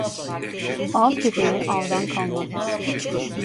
Av köpeği avdan kalmaz.